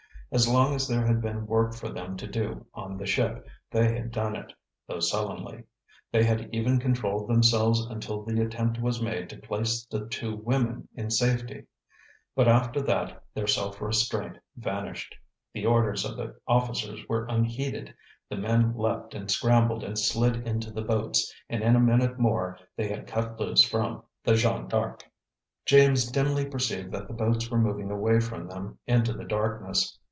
As long as there had been work for them to do on the ship, they had done it, though sullenly; they had even controlled themselves until the attempt was made to place the two women in safety. But after that their self restraint vanished. The orders of the officers were unheeded; the men leaped and scrambled and slid into the boats, and in a minute more they had cut loose from the Jeanne D'Arc. James dimly perceived that the boats were moving away from them into the darkness.